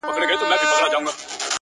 o زه به هم داسي وكړم،